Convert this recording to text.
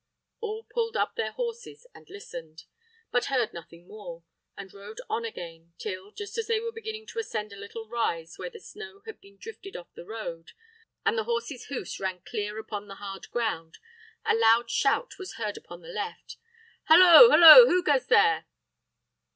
All pulled up their horses and listened; but heard nothing more, and rode on again, till, just as they were beginning to ascend a little rise where the snow had been drifted off the road, and the horses' hoofs rang clear upon the hard ground, a loud shout was heard upon the left. "Halloo, halloo! who goes there?"